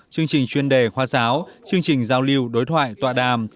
chương trình chuyên đề khoa giáo chương trình giao lưu đối thoại tọa đàm